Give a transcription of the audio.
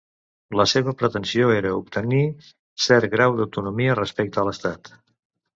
La seva pretensió era obtenir cert grau d'autonomia respecte a l'estat.